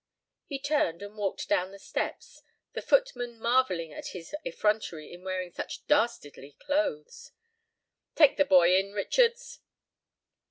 He turned and walked down the steps, the footman marvelling at his effrontery in wearing such dastardly clothes. "Take the boy in, Richards."